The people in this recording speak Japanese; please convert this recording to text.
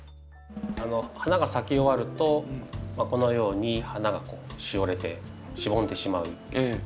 花が咲き終わるとこのように花がしおれてしぼんでしまう。